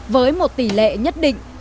với một tỷ lệ nhất định